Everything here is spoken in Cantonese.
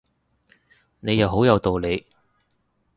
你又好有道理